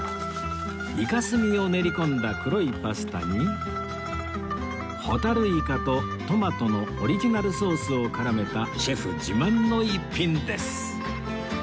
イカ墨を練り込んだ黒いパスタにホタルイカとトマトのオリジナルソースを絡めたシェフ自慢の逸品です